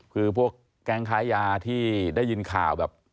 คือพวกแก๊งค้ายาที่ได้ยินข่าวแบบ